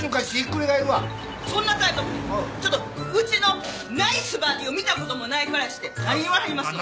ちょっとうちのナイスバディを見たこともないからして何言わはりますの！